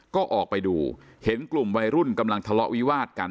ก็ออกไปดูเห็นกลุ่มวัยรุ่นกำลังทะเลาะวิวาดกัน